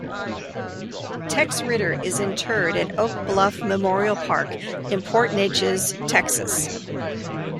Tex Ritter is interred at Oak Bluff Memorial Park in Port Neches, Texas.